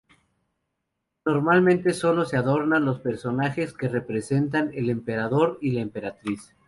Normalmente sólo se adornan los personajes que representan al Emperador y la Emperatriz.